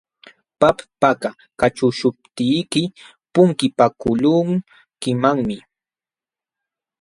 Pakpaka kaćhuqśhuptiyki punkipakuqlunkimanmi.